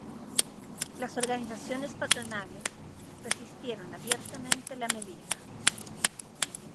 Las organizaciones patronales resistieron abiertamente la medida.